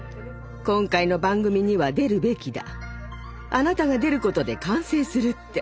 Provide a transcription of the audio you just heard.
「今回の番組には出るべきだあなたが出ることで完成する」って。